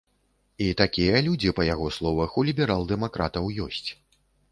І такія людзі, па яго словах, у ліберал-дэмакратаў ёсць.